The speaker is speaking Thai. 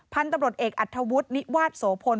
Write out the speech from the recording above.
พันธุ์ตำรวจเอกอัธวุฒินิวาสโสพล